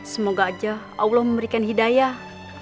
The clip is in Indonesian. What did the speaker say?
semoga aja allah memberikan hidayah